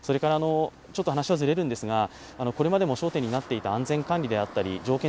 ちょっと話はずれますが、これまでも焦点になっていた安全管理であったり条件